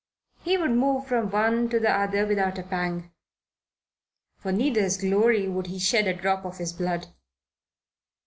He would move from one to the other without a pang. For neither's glory would he shed a drop of his blood.